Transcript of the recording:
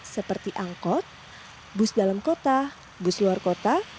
seperti angkot bus dalam kota bus luar kota